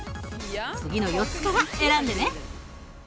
次の４つから選んでね。